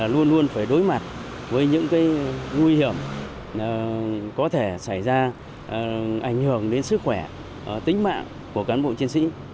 luôn luôn phải đối mặt với những nguy hiểm có thể xảy ra ảnh hưởng đến sức khỏe tính mạng của cán bộ chiến sĩ